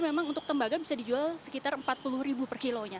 memang untuk tembaga bisa dijual sekitar empat puluh per kilonya